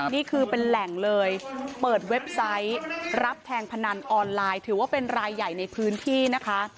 นี่คือเป็นแหล่งเลยเปิดเว็บไซต์รับแทงพนันออนไลน์ถือว่าเป็นรายใหญ่ในพื้นที่นะคะ